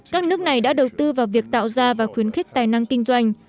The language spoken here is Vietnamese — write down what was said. các nước này đã đầu tư vào việc tạo ra và khuyến khích tài năng kinh doanh